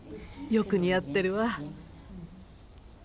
よく似合ってるわ。